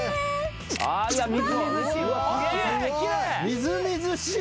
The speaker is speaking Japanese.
みずみずしい。